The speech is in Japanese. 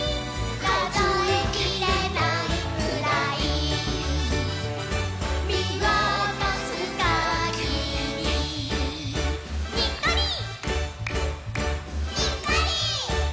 「かぞえきれないくらいみわたすかぎり」「にっこり」「にっこり」